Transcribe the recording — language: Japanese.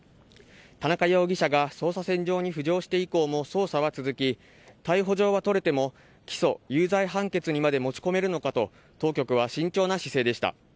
田中容疑者が捜査線上に浮上して以降も捜査は続き、逮捕状は取れても起訴・有罪判決にまで持ち込めるのかと当局は慎重な姿勢でした。